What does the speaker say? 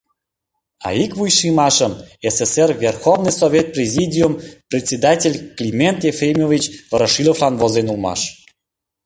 А ик вуйшиймашым СССР Верховный Совет Президиум председатель Климент Ефремович Ворошиловлан возен улмаш.